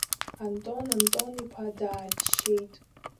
Антон Антон-иԥа дааччеит.